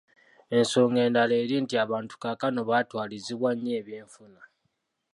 Ensonga endala eri nti abantu kaakano batwalizibbwa nnyo ebyenfuna.